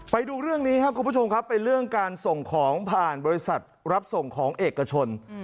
ไปดูเรื่องนี้ครับคุณผู้ชมครับเป็นเรื่องการส่งของผ่านบริษัทรับส่งของเอกชน